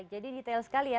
jadi detail sekali ya